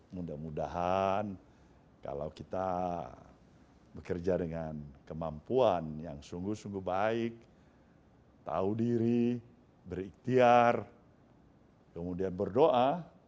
mudah mudahan kalau kita bekerja dengan kemampuan yang sungguh sungguh baik tahu diri berikhtiar kemudian berdoa